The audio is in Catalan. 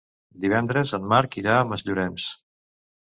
Divendres en Marc irà a Masllorenç.